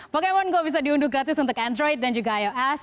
pokemon go bisa diunduh gratis untuk android dan juga ios